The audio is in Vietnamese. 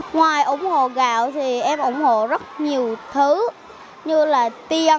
ngoài ủng hộ gạo thì em ủng hộ rất nhiều thứ như là tia